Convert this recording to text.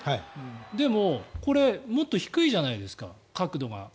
でも、これもっと低いじゃないですか角度が。